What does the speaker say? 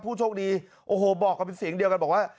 ผู้โชคดีโอ้โหบอกกันเป็นเสียงเดียวกันบอกว่า